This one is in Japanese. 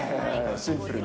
シンプルに。